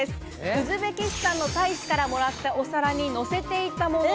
ウズベキスタンの大使からもらったお皿にのせていたもの。